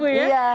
betul ya bu ya